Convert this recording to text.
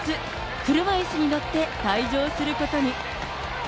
車いすに乗って退場することに。